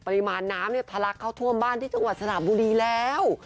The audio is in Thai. ปริมาณน้ำเนี่ยทะลักเข้าท่วมบ้านที่จังหวัดสระบุรีแล้ว